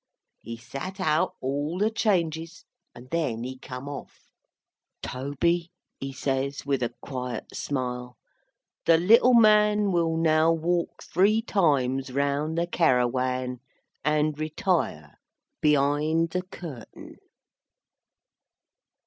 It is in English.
He sat out all the changes, and then he come off. "Toby," he says, with a quiet smile, "the little man will now walk three times round the Cairawan, and retire behind the curtain."